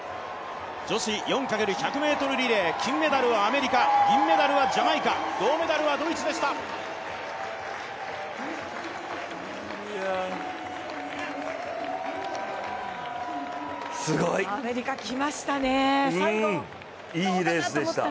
女子４×１００ｍリレー金メダルはアメリカ銀メダルはジャマイカ、銅メダルはドイツでした。